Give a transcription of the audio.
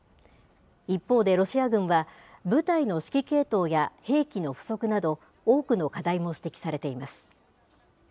一方で、ロシア軍は、部隊の指揮系統や兵器の不足など、多くの課題も指摘されています。